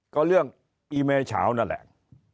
ก็เรื่องอีเมเฉานั่นแหละ